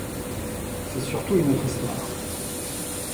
C’est surtout une autre histoire…